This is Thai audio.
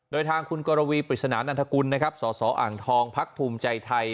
โดยทางคุณกรวีปริศนานันทกุลนะครับสสอ่างทองพักภูมิใจไทย